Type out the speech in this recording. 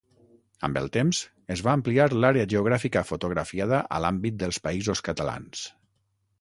Amb el temps, es va ampliar l'àrea geogràfica fotografiada a l'àmbit dels Països Catalans.